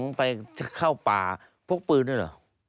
ส่งไปเข้าป่าพกปืนด้วยหรอ